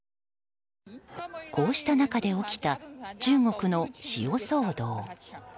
こうした中で起きた中国の塩騒動。